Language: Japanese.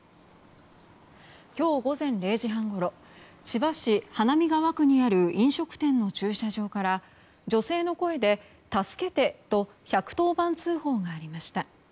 今日午前０時半ごろ千葉市花見川区にある飲食店の駐車場から女性の声で助けてと１１０番通報がありました。